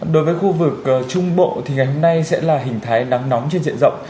đối với khu vực trung bộ thì ngày hôm nay sẽ là hình thái nắng nóng trên diện rộng